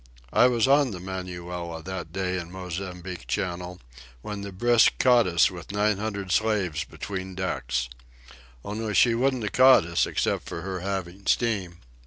"I was on the Emanuela that day in Mozambique Channel when the Brisk caught us with nine hundred slaves between decks. Only she wouldn't a caught us except for her having steam."